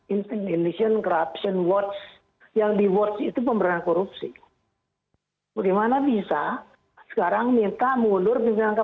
intention corruption watch yang di watch itu pemberantanan korupsi bagaimana bisa sekarang minta mulur dengan kpk